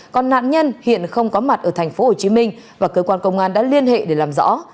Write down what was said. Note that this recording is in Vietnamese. còn nạn nhân hiện không có mặt ở tp hcm và cơ quan công an đã liên hệ để làm rõ